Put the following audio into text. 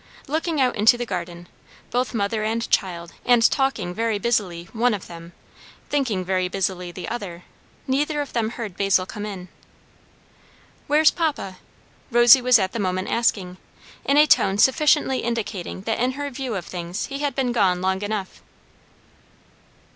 Looking out into the garden, both mother and child, and talking very busily one of them, thinking very busily the other, neither of them heard Basil come in. "Where's papa?" Rosy was at the moment asking, in a tone sufficiently indicating that in her view of things he had been gone long enough.